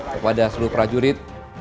kepada seluruh prajurit